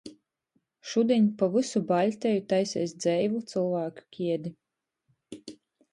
Šudiņ pa vysu Baļteju taiseis dzeivu cylvāku kiedi.